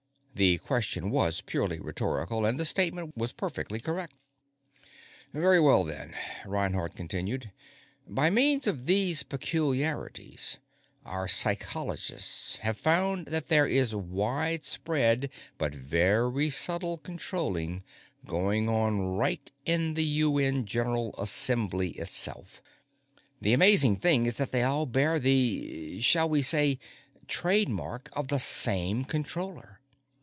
The question was purely rhetorical, and the statement was perfectly correct. "Very well, then," Reinhardt continued, "by means of these peculiarities, our psychologists have found that there is widespread, but very subtle controlling going on right in the UN General Assembly itself! The amazing thing is that they all bear the shall we say trademark of the same Controller.